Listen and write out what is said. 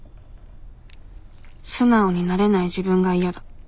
素直になれない自分が嫌だ。